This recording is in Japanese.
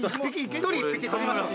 １人１匹捕りましょう。